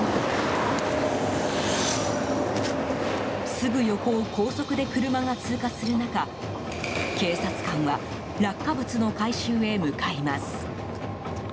すぐ横を高速で車が通過する中警察官は落下物の回収へ向かいます。